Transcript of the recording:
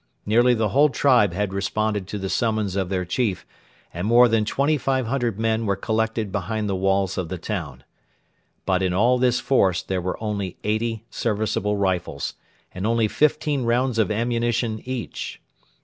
Nearly the whole tribe had responded to the summons of their chief, and more than 2,500 men were collected behind the walls of the town. But in all this force there were only eighty serviceable rifles, and only fifteen rounds of ammunition each.